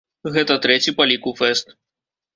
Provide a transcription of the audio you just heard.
Гэта трэці па ліку фэст.